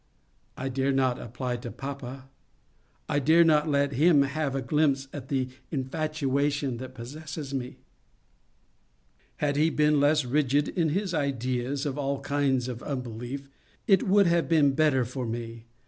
I dare not apply to papa. I dare not let him have a glimpse at the infatuation that possesses me. Had he been less rigid in his ideas of all kinds of unbelief, it would have been better for me.